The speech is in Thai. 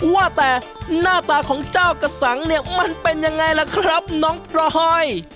ว่าแต่หน้าตาของเจ้ากระสังเนี่ยมันเป็นยังไงล่ะครับน้องพลอย